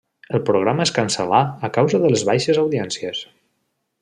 El programa es cancel·là a causa de les baixes audiències.